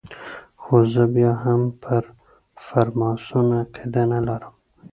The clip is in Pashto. خو زه بیا هم پر فرماسون عقیده نه لرم.